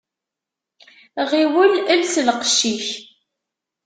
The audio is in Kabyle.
Ɣiwel els lqecc-ik.